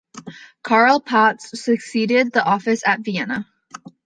Carl Patsch succeeded the office at Vienna.